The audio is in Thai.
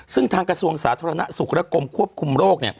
ซึ่งทางกระทรวงสาธารณสุขและกรมควบคุมโรค